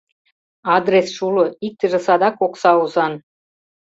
— Адресше уло, иктыже садак окса озан.